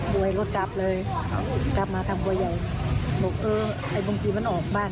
วยรถกลับเลยกลับมาทางบัวใหญ่บอกเออไอ้บางทีมันออกบ้าน